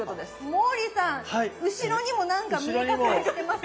モーリーさん後ろにも何か見え隠れしてますが。